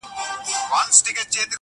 اوس په ښار كي دا نااهله حكمران دئ -